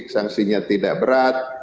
sanksinya tidak berat